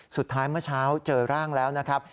สุดท้ายเมื่อเช้าเจอร่างแล้วนะครับ